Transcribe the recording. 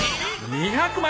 ２００万！